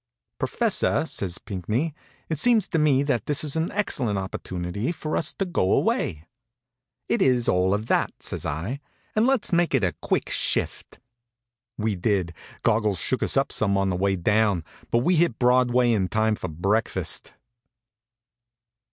"Professor," says Pinckney, "it seems to me that this is an excellent opportunity for us to go away." "It's all of that," says I, "and let's make it a quick shift." We did. Goggles shook us up some on the way down, but we hit Broadway in time for breakfast.